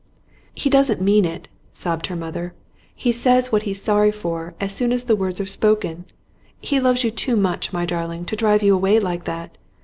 'He doesn't mean it,' sobbed her mother. 'He says what he's sorry for as soon as the words are spoken. He loves you too much, my darling, to drive you away like that.